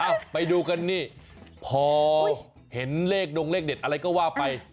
ไปดูกันนี่พอเห็นเลขดงเลขเด็ดอะไรก็ว่าไป